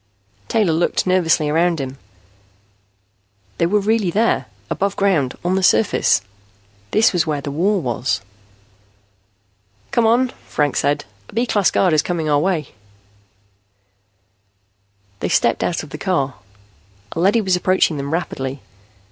Taylor looked nervously around him. They were really there, above ground, on the surface. This was where the war was. "Come on," Franks said. "A B class guard is coming our way." They stepped out of the car. A leady was approaching them rapidly.